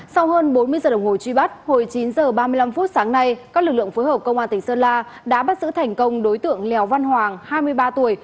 sau hơn bốn mươi giờ đồng hồ truy bắt hồi chín h ba mươi năm phút sáng nay các lực lượng phối hợp công an tỉnh sơn la đã bắt giữ thành công đối tượng lèo văn hoàng hai mươi ba tuổi